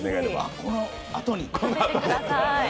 あっ、このあとに？